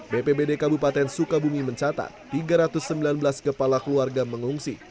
bpbd kabupaten sukabumi mencatat tiga ratus sembilan belas kepala keluarga mengungsi